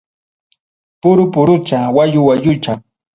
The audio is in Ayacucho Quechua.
Puru purucha wayu wayucha.